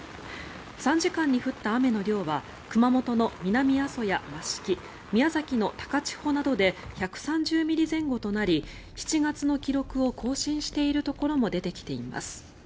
３時間に降った雨の量や熊本の南阿蘇や益城宮崎の高千穂などで１３０ミリ前後となり７月の記録を更新しているところも出てきています。